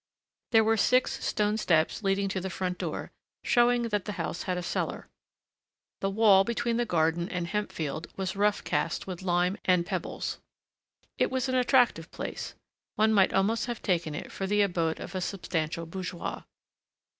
There were six stone steps leading to the frontdoor, showing that the house had a cellar. The wall between the garden and hemp field was roughcast with lime and pebbles. It was an attractive place; one might almost have taken it for the abode of a substantial bourgeois.